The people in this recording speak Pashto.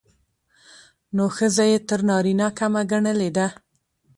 نو ښځه يې تر نارينه کمه ګڼلې ده.